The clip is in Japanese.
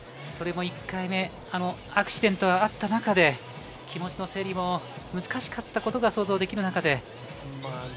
それも１回目アクシデントがあった中で気持ちの整理も難しかったことが想像できる中で。